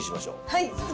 はい。